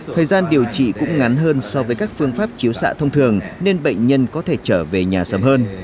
thời gian điều trị cũng ngắn hơn so với các phương pháp chiếu xạ thông thường nên bệnh nhân có thể trở về nhà sớm hơn